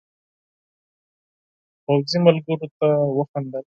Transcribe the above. پوځي ملګرو ته وخندل.